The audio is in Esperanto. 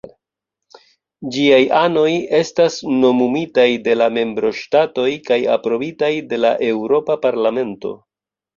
Ĝiaj anoj estas nomumitaj de la membroŝtatoj kaj aprobitaj de la Eŭropa Parlamento.